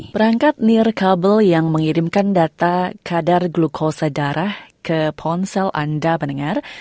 perangkat nirkabel yang mengirimkan data kadar glukosa darah ke ponsel anda pendengar